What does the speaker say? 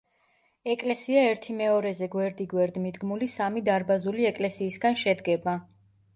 ეკლესია ერთიმეორეზე გვერდიგვერდ მიდგმული სამი დარბაზული ეკლესიისგან შედგება.